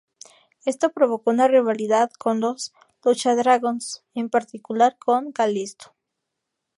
Esto provocó una rivalidad con los Lucha Dragons, en particular con Kalisto.